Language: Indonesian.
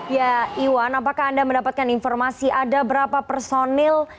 ya iwan apakah anda mendapatkan informasi ada berapa personil